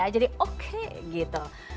jadi oke gitu